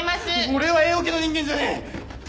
俺はＡオケの人間じゃねえ！